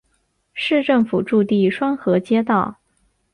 市政府驻地双河街道。